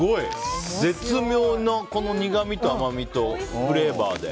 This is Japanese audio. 絶妙な苦みと甘みとフレーバーで。